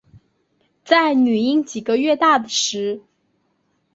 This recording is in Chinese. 在女婴几个月大时